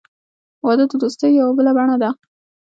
• واده د دوستۍ یوه بله بڼه ده.